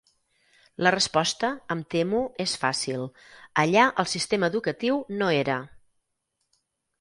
La resposta, em temo, és fàcil: allà el sistema educatiu no era.